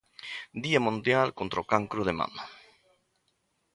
Día Mundial Contra o Cancro de Mama.